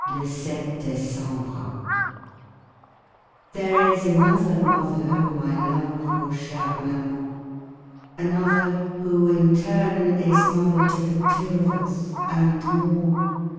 (7 decembre) There is another mother whom I love, 0 chere maman, another, who, in turn. Is mother to the two of us, and more.